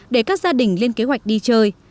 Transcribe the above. để các gia đình lên kế hoạch đi chơi